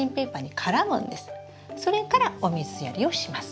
それからお水やりをします。